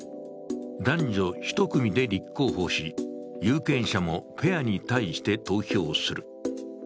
男女１組で立候補し、有権者もペアに対して投票する。